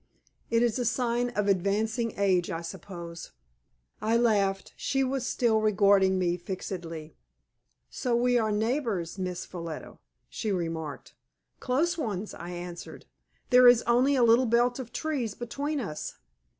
It is a sign of advancing age, I suppose." I laughed. She was still regarding me fixedly. "So we are neighbors, Miss Ffolliot?" she remarked. "Close ones," I answered. "There is only a little belt of trees between us."